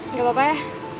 gak apa apa ya